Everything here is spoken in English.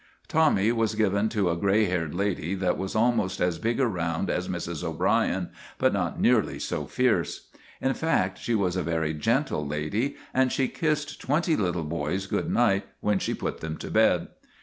Tommy was given to a gray haired lady that was almost as big around as Mrs. O'Brien, but not nearly so fierce. In fact, she was a very gentle lady, and she kissed twenty little boys good night when she put them to bed.